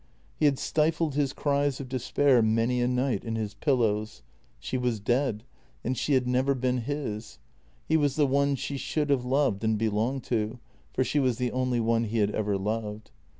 He had stifled his cries of despair many a night in his pillows. JENNY 298 She was dead, and she had never been his. He was the one she should have loved and belonged to, for she was the only one he had ever loved.